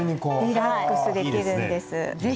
リラックスできるんです。